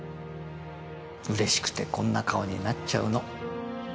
嬉しくてこんな顔になっちゃうの